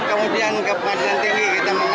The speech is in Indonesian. kemudian ke pengadilan tinggi kita